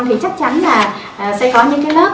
thì chắc chắn là sẽ có những lớp